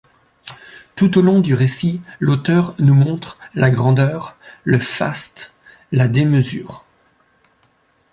Tout au long du récit, l'auteur nous montre la grandeur, le faste, la démesure.